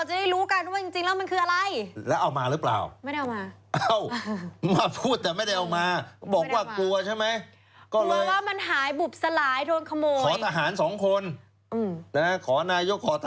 จะได้รู้กันว่าจริงแล้วมันคืออะไร